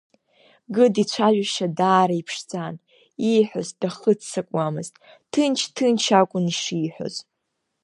Гыд ицәажәашьа даара иԥшӡан, ииҳәоз дахыццакуамызт, ҭынч-ҭынч акәын ишиҳәоз.